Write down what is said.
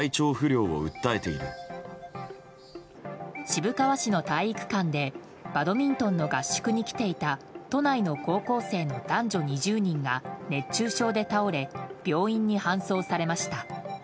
渋川市の体育館でバドミントンの合宿に来ていた都内の高校生の男女２０人が熱中症で倒れ病院に搬送されました。